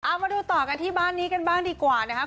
เอามาดูต่อกันที่บ้านนี้กันบ้างดีกว่านะครับ